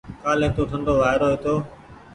ڪآلي تو ٺنڍو وآئيرو هيتو۔